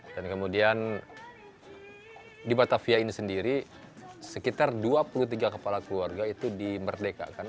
dan kemudian di batavia ini sendiri sekitar dua puluh tiga kepala keluarga itu dimerdekakan